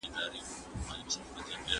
توبه اِستغفار د هرې ستونزې حل دی.